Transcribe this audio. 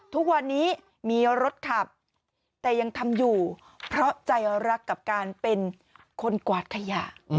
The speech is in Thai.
ทุกวันนี้มีรถขับแต่ยังทำอยู่เพราะใจรักกับการเป็นคนกวาดขยะ